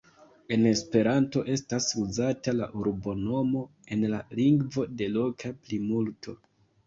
En Esperanto estas uzata la urbonomo en la lingvo de loka plimulto.